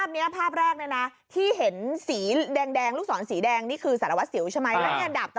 นี่ภาพแรกที่เห็นสีแดงลูกศรสีแดงนี่คือสารวัสสิวใช่ไหม